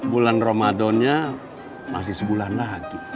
bulan ramadannya masih sebulan lagi